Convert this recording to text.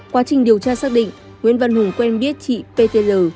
qua trình điều tra xác định nguyễn văn hùng quen biết chị p t l